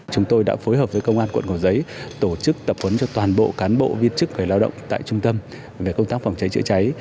chúng tôi đã phối hợp với công an quận cầu giấy tổ chức tập huấn cho toàn bộ cán bộ viên chức người lao động tại trung tâm về công tác phòng cháy chữa cháy